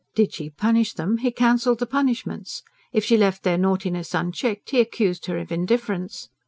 Did she punish them, he cancelled the punishments; if she left their naughtiness unchecked, he accused her of indifference.